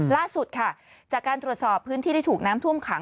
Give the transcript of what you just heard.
ล่าสุดค่ะจากการตรวจสอบพื้นที่ที่ถูกน้ำท่วมขัง